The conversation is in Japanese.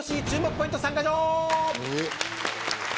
ポイント３カ条。